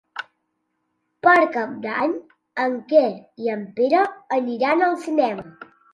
Per Cap d'Any en Quer i en Pere aniran al cinema.